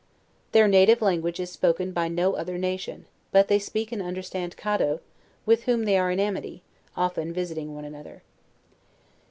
Their native language is spoken by no other nation, but they LEWIS AND CLARKE. 145 speak and understand Caddo, with whom they are in amity, often visiting one another.